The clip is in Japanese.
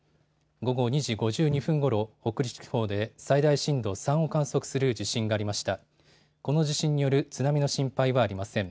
午後２時５２分ごろ北陸地方で最大震度３を観測する地震がありました。